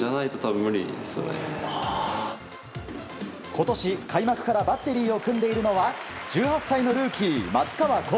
今年、開幕からバッテリーを組んでいるのは１８歳のルーキー、松川虎生。